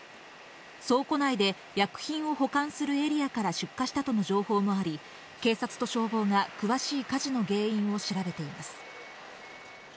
倉庫内で薬品を保管するエリアから出火したとの情報もあり、警察と消防が詳しい火事の原因を調べています。